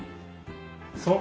そう。